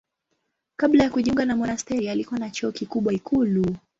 Kabla ya kujiunga na monasteri alikuwa na cheo kikubwa ikulu.